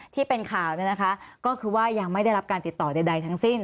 ที่เป็นข่าวก็คือว่ายังไม่ได้รับการติดต่อใดทั้งสิ้น